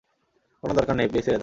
কোনো দরকার নেই, প্লিজ ছেড়ে দাও।